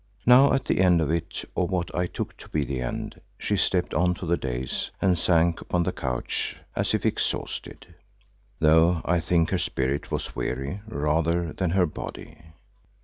Now at the end of it, or what I took to be the end, she stepped on to the dais and sank upon the couch as if exhausted, though I think her spirit was weary rather than her body.